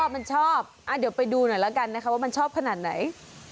มันชอบเดี๋ยวไปดูหน่อยแล้วกันนะคะว่ามันชอบขนาดไหน